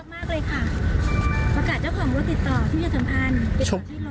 มากเลยค่ะประกาศเจ้าของว่าติดต่อที่เฉพาะสมอัน